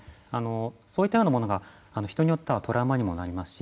そういったようなものが人によってはトラウマにもなりますし